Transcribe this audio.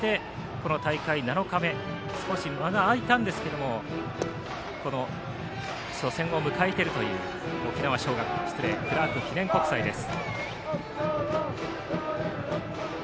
この大会７日目少し間が空いたんですけども初戦を迎えているというクラーク記念国際です。